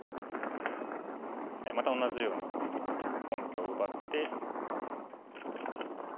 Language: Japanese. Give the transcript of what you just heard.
また同じように根拠を奪って。